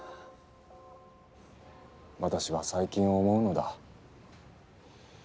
私は最近思うのだ。